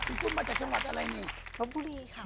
คุณกุลมาจากชาวราชอะไรเนี่ยรบบุรีครับ